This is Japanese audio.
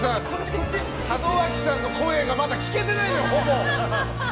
門脇さんの声がまだ聞けてないんだ、ほぼ。